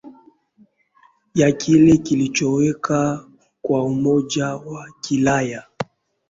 ya kile kilichowekwa kwa umoja wa ulaya